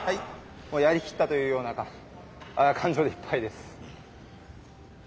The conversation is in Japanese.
もうやりきったというような感情でいっぱいです。